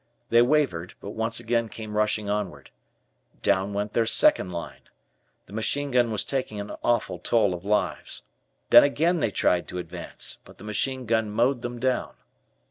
They wavered, but once again came rushing onward. Down went their second line. The machine gun was taking an awful toll of lives. Then again they tried to advance, but the machine gun mowed them down.